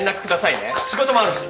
仕事もあるし。